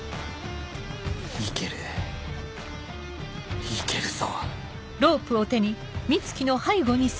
行ける行けるぞ！